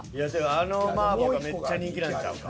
あの麻婆がめっちゃ人気なんちゃうか。